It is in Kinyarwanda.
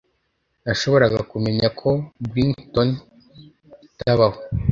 nashoboraga kumenya ko brighton itabaho